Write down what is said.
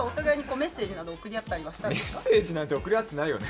メッセージなんて送り合ってないよね？